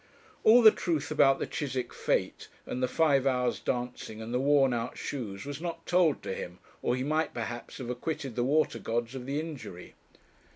All the truth about the Chiswick fête and the five hours' dancing, and the worn out shoes, was not told to him, or he might, perhaps, have acquitted the water gods of the injury.